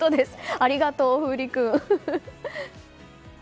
ありがとう、楓琳君。